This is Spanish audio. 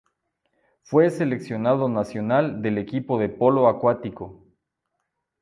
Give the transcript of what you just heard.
Fue seleccionado nacional del equipo de polo acuático.